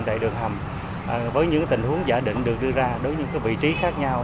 tại đường hầm với những tình huống giả định được đưa ra đối với những vị trí khác nhau